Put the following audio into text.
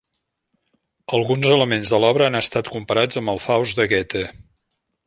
Alguns elements de l'obra han estat comparats amb el "Faust" de Goethe.